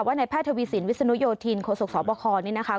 ว่าในแพทย์ทวีสินวิสนุโยธีนโศกศาลประคอนนี้นะคะ